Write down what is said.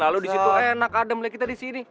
lalu disitu enak adem liat kita disini